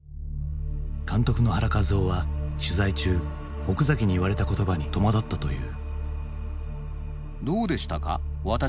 監督の原一男は取材中奥崎に言われた言葉に戸惑ったという。